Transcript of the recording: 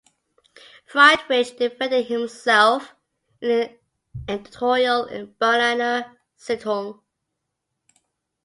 Friedrich defended himself in an editorial in "Berliner Zeitung".